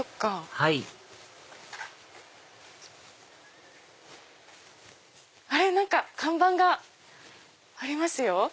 はいあれ⁉何か看板がありますよ。